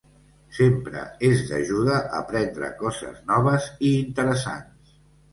Sempre és d'ajuda aprendre coses noves i interessants.